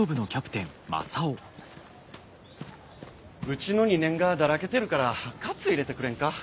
うちの２年がだらけてるから活入れてくれんか。